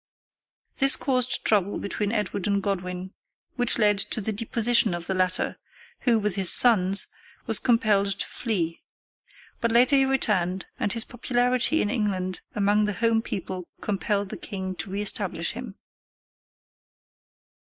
This caused trouble between Edward and Godwin, which led to the deposition of the latter, who, with his sons, was compelled to flee. But later he returned, and his popularity in England among the home people compelled the king to reëstablish him. [Illustration: GODWIN AND HIS SONS FLYING FROM ENGLAND.